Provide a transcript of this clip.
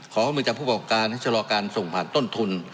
ขอข้อมูลจากผู้ประกอบการให้ชะลอการส่งผ่านต้นทุน